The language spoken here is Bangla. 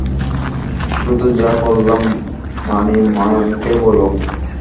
শুধু যা বললাম মানিমারানকে বলো।